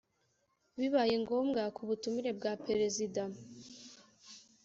bibaye ngombwa ku butumire bwa Perezida